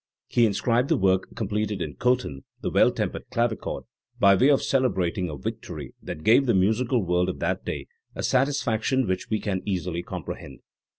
He inscribed the work completed in Cothen the Well tempered Clavichord by way of celebrating a victory that gave the musical world of that day a satisfaction which we can easily comprehend.